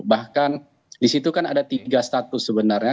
bahkan disitu kan ada tiga status sebenarnya